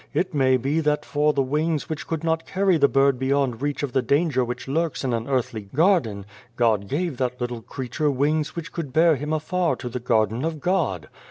"It may be that for the wings which could not carry the bird beyond reach of the danger which lurks in an earthly garden, God gave that little creature wings which could bear him afar to the garden of God.